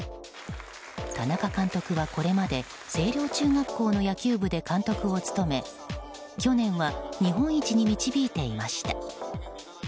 田中監督はこれまで星稜中学校の野球部で監督を務め去年は日本一に導いていました。